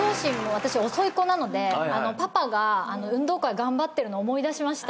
私遅い子なのでパパが運動会頑張ってるの思い出しました。